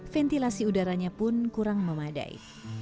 ventilasi udaranya pun kurang memadai